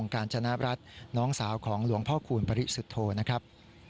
การจนรัฐน้องสาวของหลวงพ่อคูณปริสุทธโธนะครับ